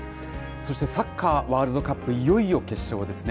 そしてサッカーワールドカップ、いよいよ決勝ですね。